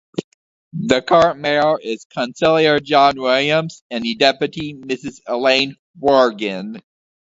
The Current Mayor is Councillor Jon Williams and The Deputy, Mrs Elaine Worgan.